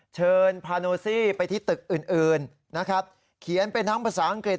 เชิญพาโนซี่ไปที่ตึกอื่นนะครับเขียนเป็นทั้งภาษาอังกฤษ